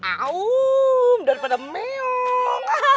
auuu daripada meyong